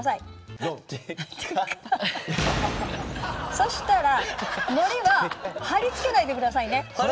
そしたらのりは貼り付けないでくださいね。